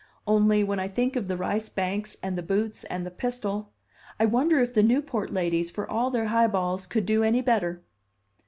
Only, when I think of the rice banks and the boots and the pistol, I wonder if the Newport ladies, for all their high balls, could do any better!"